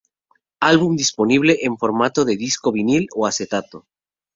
Álbum disponible en formato disco de Vinil o Acetato.